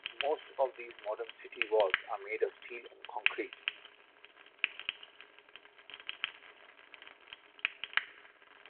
Most of these modern city walls are made of steel and concrete.